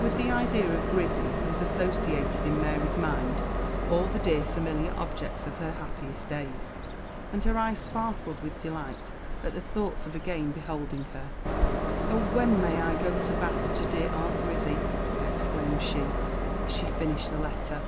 With the idea of Grizzy was associated in Mary's mind all the dear familiar objects of her happiest days, and her eyes sparkled with delight at the thoughts of again beholding her. "Oh! when may I go to Bath to dear Aunt Grizzy?" exclaimed she, as she finished the letter.